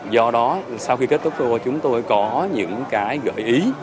do đó sau khi kết thúc tour chúng tôi có những cái gợi ý